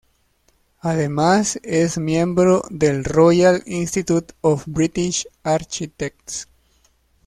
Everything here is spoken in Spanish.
Además es miembro del Royal Institute of British Architects.